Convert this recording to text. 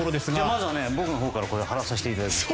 まずは僕のほうから貼らせてもらいます。